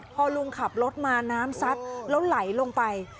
พอลุงขับรถมาน้ำซัดแล้วไหลลงไป